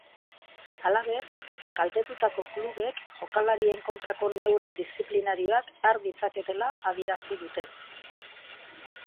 Halaber, kaltetutako klubek jokalarien kontrako neurri diziplinarioak har ditzaketela adierazi dute.